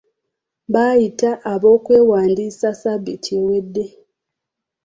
Baayita ab'okwewandiisa sabbiti ewedde.